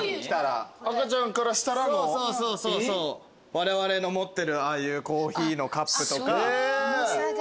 われわれの持ってるああいうコーヒーのカップとか。